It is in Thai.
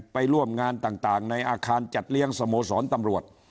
ไปร่วมงานต่างในอาคารจัดเลี้ยงสโมสรตำรวจ